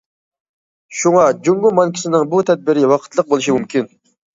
شۇڭا، جۇڭگو بانكىسىنىڭ بۇ تەدبىرى ۋاقىتلىق بولۇشى مۇمكىن.